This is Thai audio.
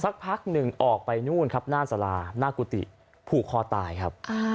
สักพักหนึ่งออกไปนู่นครับหน้าสาราหน้ากุฏิผูกคอตายครับ